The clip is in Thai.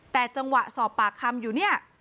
แต่จังหวะสอบปากคำอยู่เนี่ย